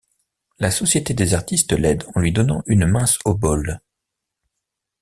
La Société des artistes l'aide en lui donnant une mince obole.